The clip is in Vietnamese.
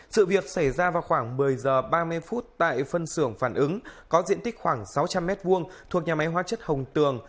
sự việc xảy ra vào khoảng một mươi h ba mươi phút tại phân xưởng phản ứng có diện tích khoảng sáu trăm linh m hai thuộc nhà máy hóa chất hồng tường